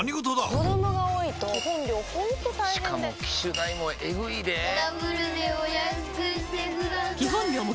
子供が多いと基本料ほんと大変でしかも機種代もエグいでぇダブルでお安くしてください